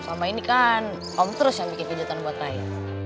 selama ini kan om terus yang bikin kejutan buat saya